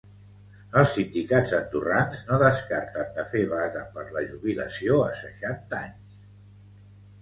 Els sindicats andorrans no descarten de fer vaga per la jubilació a seixanta anys.